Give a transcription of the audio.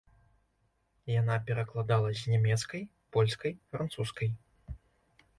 Яна перакладала з нямецкай, польскай, французскай.